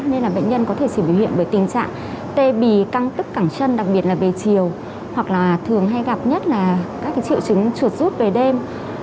nên là bệnh nhân có thể chỉ biểu hiện bởi tình trạng tê bì căng tức cẳng chân đặc biệt là về chiều hoặc là thường hay gặp nhất là các triệu chứng chuột rút về đêm